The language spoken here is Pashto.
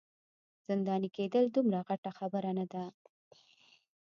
زنداني کیدل دومره غټه خبره نه ده.